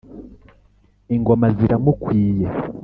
Ingoma ziramukwiye .